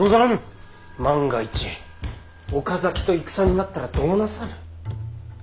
万が一岡崎と戦になったらどうなさる？